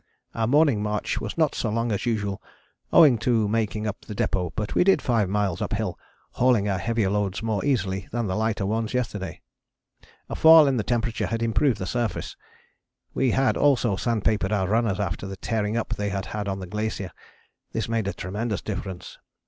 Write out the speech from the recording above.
Our morning march was not so long as usual owing to making up the depôt, but we did five miles uphill, hauling our heavier loads more easily than the lighter ones yesterday. A fall in the temperature had improved the surface. We had also sandpapered our runners after the tearing up they had had on the glacier; this made a tremendous difference.